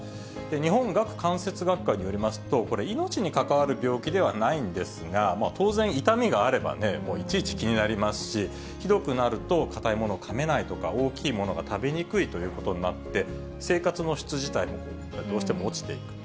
日本顎関節学会によりますと、これ、命に関わる病気ではないんですが、当然、痛みがあればね、いちいち気になりますし、ひどくなると、硬いものかめないとか、大きいものが食べにくいということになって、生活の質自体もどうしても落ちていく。